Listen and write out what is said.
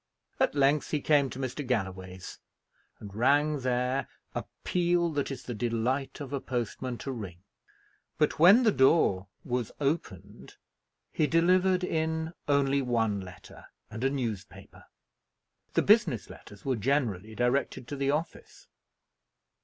At length he came to Mr. Galloway's, and rang there a peal that it is the delight of a postman to ring; but when the door was opened, he delivered in only one letter and a newspaper. The business letters were generally directed to the office.